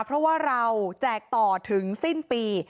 เพราะว่าเราแจกต่อถึงสิ้นปี